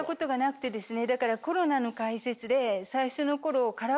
だから。